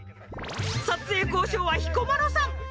撮影交渉は彦摩呂さん。